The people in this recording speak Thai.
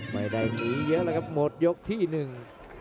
ไม่ได้หนีเยอะแล้วครับหมดยกที่หนึ่ง